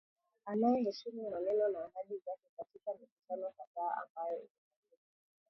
anaeheshimu maneno na ahadi zake katika mikutano kadhaa ambayo imefanyika